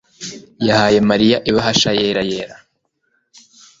yahaye Mariya ibahasha yera yera.